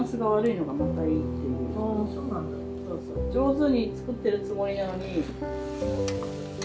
上手に作ってるつもりなのに。